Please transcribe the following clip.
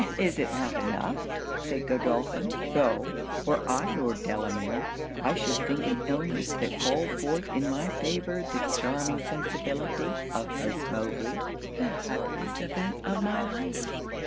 'And is it not enough,' said Godolphin. 'Tho', were I Lord Delamere, I should think an illness that called forth in my favour the charming sensibility of Miss Mowbray, the happiest event of my life.'